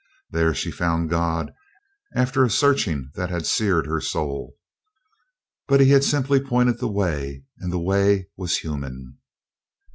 There she found God after a searching that had seared her soul; but He had simply pointed the Way, and the way was human.